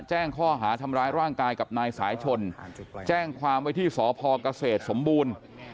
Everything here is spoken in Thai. แจ้งข้อหาทำร้ายร่างกายกับนายสายชนแจ้งความไว้ที่สพเกษตรสมบูรณ์